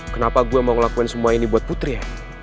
kenapa gue mau ngelakuin semua ini buat putri ya